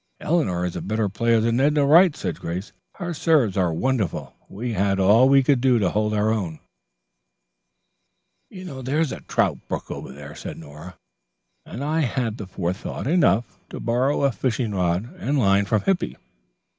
"Eleanor is a better player than Edna Wright," said Grace. "Her serves are wonderful. We had all we could do to hold our own." "There's a trout brook over there," said Nora, "and I had forethought enough to borrow a fishing rod and line from Hippy.